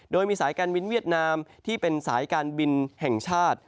โดยมีสายการบินเวียดนามที่เป็นสายการบินแห่งชาติ